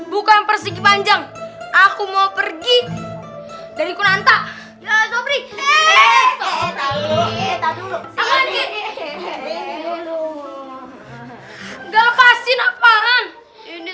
bukan persegi panjang aku mau pergi dari kunanta ya sobri kita dulu dulu enggak lepasin apaan ini